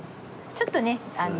ちょっとねあの。